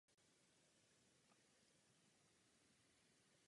Pane ministerský předsedo, s velkým nadšením jste hovořil o rozšíření.